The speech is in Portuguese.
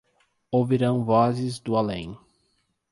Ouvirão vozes do além